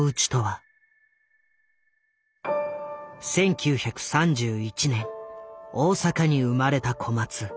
１９３１年大阪に生まれた小松。